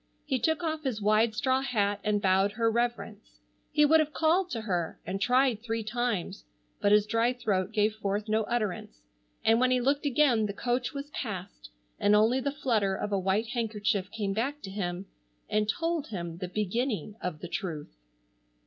He took off his wide straw hat and bowed her reverence. He would have called to her, and tried three times, but his dry throat gave forth no utterance, and when he looked again the coach was passed and only the flutter of a white handkerchief came back to him and told him the beginning of the truth.